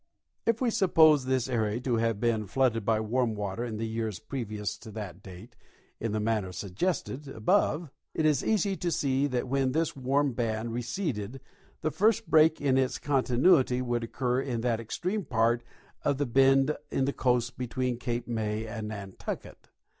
If we suppose this area to have been flooded b}'' warm water in the j^ears previous to that date in the manner suggested above, it is easy to see that when this warm band receded the first break in its continuity would occur in that extreme part of the bend in the coast between Cape Ma}^ and Nantucket.